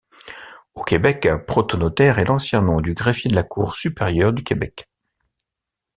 Au Québec, protonotaire est l'ancien nom du greffier de la Cour supérieure du Québec.